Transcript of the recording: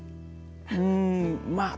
うんまあ